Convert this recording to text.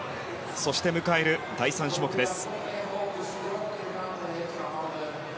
そして迎える第３種目です。